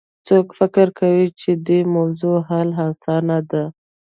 څوک فکر کوي چې د دې موضوع حل اسانه ده